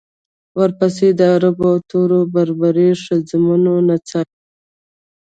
ورپسې د عربو او تورو بربرو ښځمنو نڅاوې.